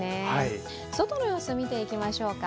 外の様子を見ていきましょうか。